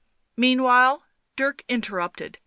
..."" Meanwhile. .." Dirk interrupted.